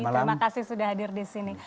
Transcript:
selamat malam terima kasih sudah hadir di sini